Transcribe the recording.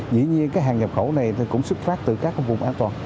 dĩ nhiên cái hàng nhập khẩu này thì cũng xuất phát từ các vùng an toàn